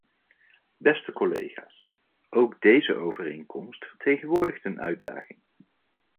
Beste collega's, ook deze overeenkomst vertegenwoordigt een uitdaging.